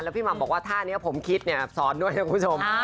พี่หม่ำบอกว่าท่านี้ผมคิดเนี่ยสอนด้วยนะคุณผู้ชม